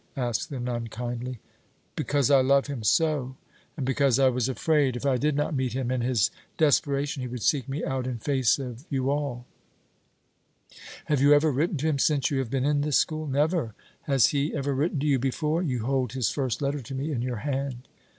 asked the nun, kindly. "Because I love him so, and because I was afraid, if I did not meet him, in his desperation he would seek me out in face of you all!" "Have you ever written to him since you have been in this school?" "Never!" "Has he ever written to you before?" "You hold his first letter to me in your hand!"